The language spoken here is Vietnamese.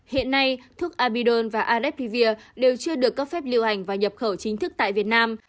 hiện nay thuốc abidol và adepivir đều chưa được cấp phép liêu hành và nhập khẩu chính thức tại việt nam